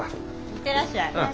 行ってらっしゃい。